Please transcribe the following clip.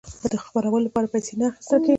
د خپرولو لپاره پیسې نه اخیستل کیږي.